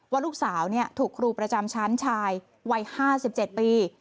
ว่าลูกสาวถูกครูประจำชั้นชายวัย๕๗ปี